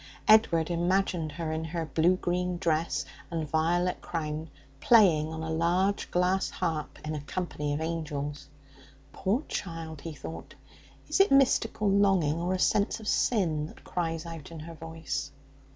Edward imagined her in her blue green dress and violet crown playing on a large glass harp in a company of angels. 'Poor child!' he thought. 'Is it mystical longing or a sense of sin that cries out in her voice?'